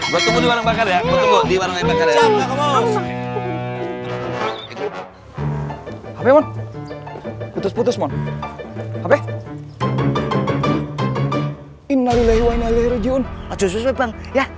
gue tunggu di warung bakar ya gue tunggu di warung bakar ya